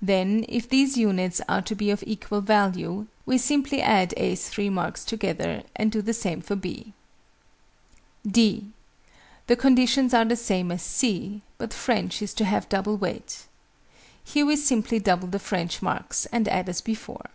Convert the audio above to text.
Then, if these units are to be of equal value, we simply add A's 3 marks together, and do the same for B. (d) The conditions are the same as (c), but French is to have double weight. Here we simply double the French marks, and add as before.